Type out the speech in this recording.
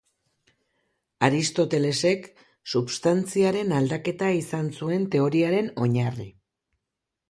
Aristotelesek substantziaren aldaketa izan zuen teoriaren oinarri.